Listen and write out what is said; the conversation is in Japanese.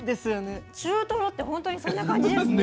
中トロって本当にそんな感じですね。